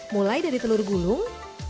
mulai dari telur gulung